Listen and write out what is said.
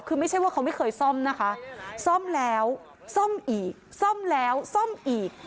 คือไม่ใช่ว่าเขาไม่เคยซ่อมนะคะซ่อมแล้วซ่อมอีกซ่อมแล้วซ่อมอีก